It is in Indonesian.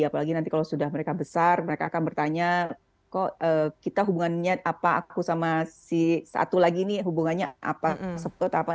apalagi nanti kalau sudah mereka besar mereka akan bertanya kok kita hubungannya apa aku sama si satu lagi ini hubungannya apa